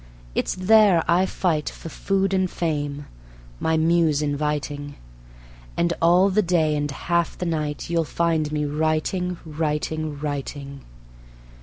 It's there I fight For food and fame, my Muse inviting, And all the day and half the night You'll find me writing, writing, writing.